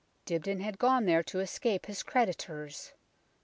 Dibdin had gone there to escape his creditors.